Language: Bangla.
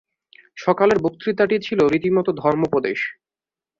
সকালের বক্তৃতাটি ছিল রীতিমত ধর্মোপদেশ।